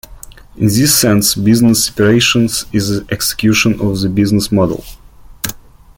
In this sense, business operations is the execution of the business model.